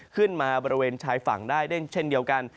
ขึ้นมาบริเวณชายฝั่งได้เช่นเดียวกัน